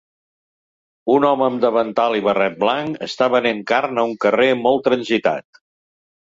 Un home amb davantal i barret blanc està venent carn a un carrer molt transitat.